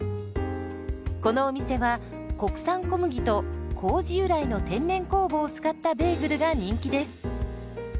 このお店は国産小麦と麹由来の天然酵母を使ったベーグルが人気です。